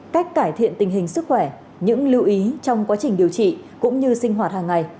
cách cải thiện tình hình sức khỏe những lưu ý trong quá trình điều trị cũng như sinh hoạt hàng ngày